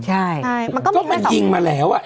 เจ้ามายิงมาแล้ว